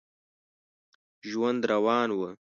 ژوند روان و.